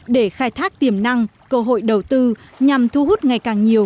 để khai thác tiềm năng cơ hội đầu tư nhằm thu hút ngày càng nhiều